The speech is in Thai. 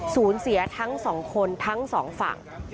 เสียทั้งสองคนทั้งสองฝั่ง